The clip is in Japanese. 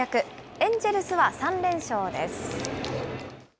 エンジェルスは３連勝です。